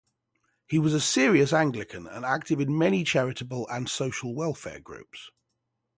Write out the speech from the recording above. He was a serious Anglican and active in many charitable and social welfare groups.